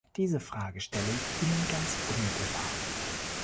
Diese Frage stelle ich Ihnen ganz unmittelbar.